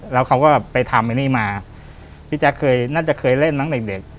แล้วเขาก็ไปทำไอ้นี่มาพี่แจ๊คเคยน่าจะเคยเล่นตั้งแต่เด็กเด็ก